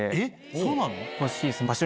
そうなの？